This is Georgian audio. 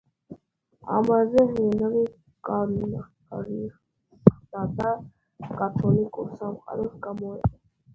ამაზე ჰენრი განრისხდა და კათოლიკურ სამყაროს გამოეყო.